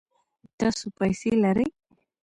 تاسو پیسې لرئ؟